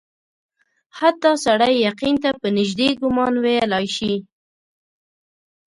حتی سړی یقین ته په نیژدې ګومان ویلای سي.